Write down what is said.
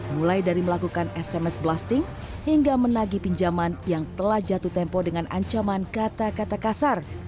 mulai dari melakukan sms blasting hingga menagi pinjaman yang telah jatuh tempo dengan ancaman kata kata kasar